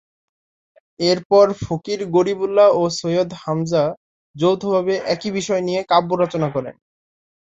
এরপর ফকির গরিবুল্লাহ ও সৈয়দ হামজা যৌথভাবে একই বিষয় নিয়ে কাব্য রচনা করেন।